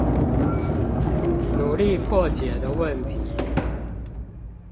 努力破解的問題